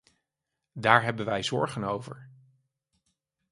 Daar hebben wij zorgen over.